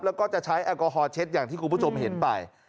แล้วก็จะใช้แอลกอฮอลเช็ดอย่างที่คุณผู้ชมเห็นไป